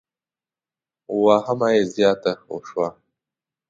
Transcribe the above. واهمه یې زیاته شوه.